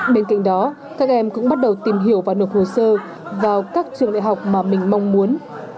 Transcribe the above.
bên cạnh đó các em cũng bắt đầu tìm hiểu và nộp hồ sơ vào các trường đại học mà mình mong muốn